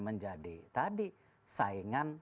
menjadi tadi saingan